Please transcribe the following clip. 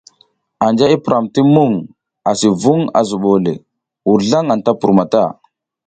Anja i piram ti mung asi vung a zubole, wurzlang anta pur mata.